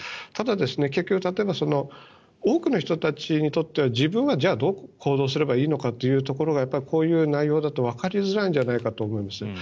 ただ、結局例えば多くの人たちにとっては自分はどう行動すればいいのかというところがこういう内容だとわかりづらいんじゃないかと思います。